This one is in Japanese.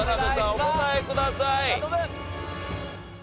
お答えください。